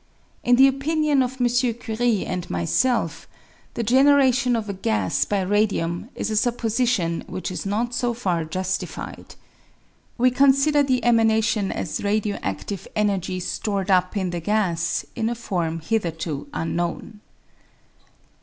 In the opinion of M. Curie and myself, the generation of a gas by radium is a supposition which is not so far justified. We consider the emanation as radio adtive energy stored up in the gas in a form hitherto unknown.